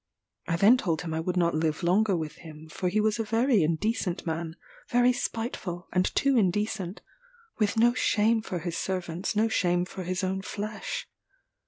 I then told him I would not live longer with him, for he was a very indecent man very spiteful, and too indecent; with no shame for his servants, no shame for his own flesh.